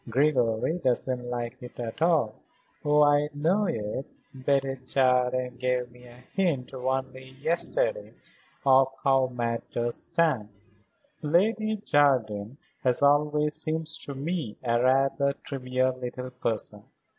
Gregory doesn't like it at all. Oh, I know it. Betty Jardine gave me a hint only yesterday of how matters stand." "Lady Jardine has always seemed to me a rather trivial little person.